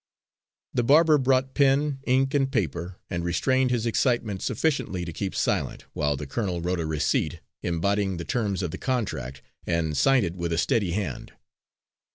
The barber brought pen, ink and paper, and restrained his excitement sufficiently to keep silent, while the colonel wrote a receipt embodying the terms of the contract, and signed it with a steady hand.